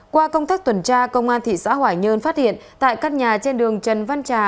qua công tác tuần tra công an thị xã hoài nhơn phát hiện tại căn nhà trên đường trần văn trà